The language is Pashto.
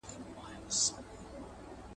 استاد کولای سي د شاګرد تېروتني ور سمي کړي.